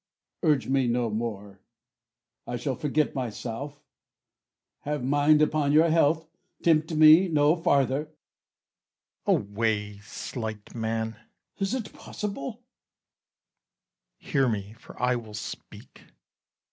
Cas. Urge me no more, I shall forget myself; Have mind upon your health, tempt me no farther. Bru. Away, slight man! Cas. Is't possible? Bru. Hear me, for I will speak.